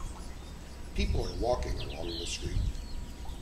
People are walking along the street